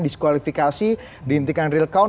diskualifikasi diintikan real count